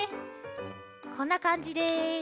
こんなかんじです。